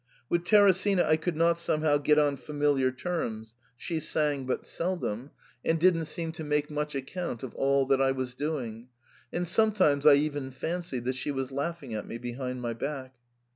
With Teresina I could not somehow get on familiar terms ; she sang but seldom. THE PERM ATA. 43 and didn't seem to make much account of all that I was doing, and sometimes I even fancied that she was laughing at me behind my back.